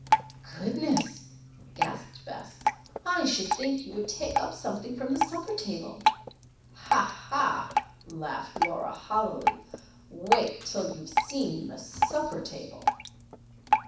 "Goodness!" gasped Bess. "I should think you would take up something from the supper table." "Ha! ha!" laughed Laura, hollowly. "Wait till you have seen the supper table."